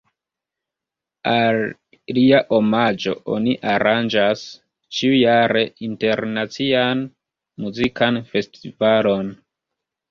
Al lia omaĝo oni aranĝas ĉiujare internacian muzikan festivalon.